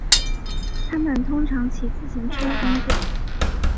他们通常骑自行车工作。